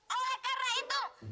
oleh karena itu